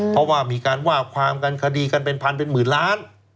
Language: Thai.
เพราะว่ามีการว่าความกันคดีกันเป็นพันเป็นหมื่นล้าน